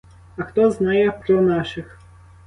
А хто знає про наших?